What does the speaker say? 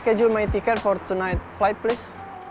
halo saya ingin reschedule tiket untuk pesawat malam ini tolong